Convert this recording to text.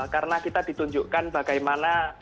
karena kita ditunjukkan bagaimana